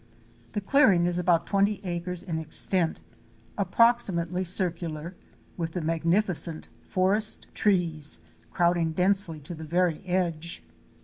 The clearing is about twenty acres in extent, approxi mately circular, with the magnificent forest trees crowding densely to the very edge.